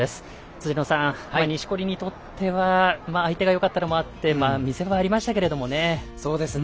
辻野さん、錦織にとっては相手がよかったのもあって見せ場ありましたけどね。